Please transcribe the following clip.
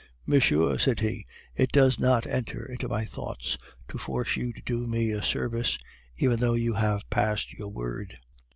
"'Monsieur,' said he, 'it does not enter into my thoughts to force you to do me a service, even though you have passed your word.